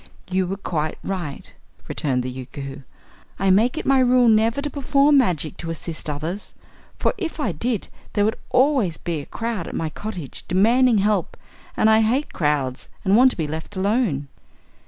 "You were quite right," returned the Yookoohoo. "I make it my rule never to perform magic to assist others, for if I did there would always be crowd at my cottage demanding help and I hate crowds and want to be left alone."